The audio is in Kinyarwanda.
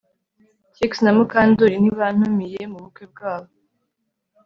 Trix na Mukandoli ntibantumiye mubukwe bwabo